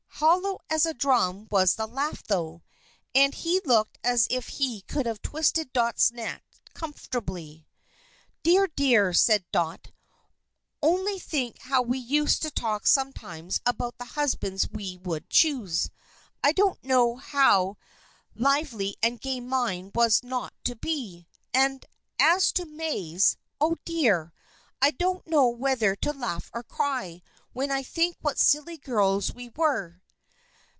Hollow as a drum was the laugh, though. And he looked as if he could have twisted Dot's neck comfortably. "Dear, dear," said Dot. "Only think how we used to talk sometimes about the husbands we would choose. I don't know how lively and gay mine was not to be! And as to May's ah, dear! I don't know whether to laugh or cry when I think what silly girls we were."